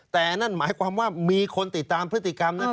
แต่นั่นหมายความว่ามีคนติดตามพฤติกรรมนั้น